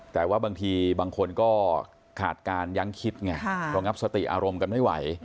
แต่ว่าบางทีบางคนก็ขาดการยั้งคิดไงรองับสติอารมณ์กันไม่ไหว